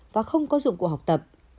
và không có dụng cụ học tập